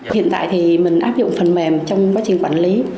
hiện tại thì mình áp dụng phần mềm trong quá trình quản lý